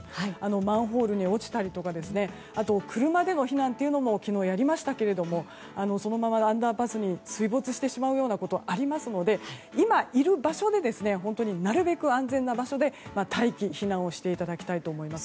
マンホールに落ちたりとかあと、車での避難も昨日、やりましたけれどもそのままアンダーパスに水没してしまうようなことがありますので、今いる場所でなるべく安全な場所で待機・避難をしていただきたいです。